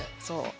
そう。